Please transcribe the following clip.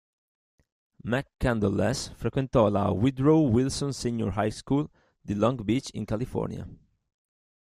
McCandless frequentò la "Woodrow Wilson Senior High School" di Long Beach in California.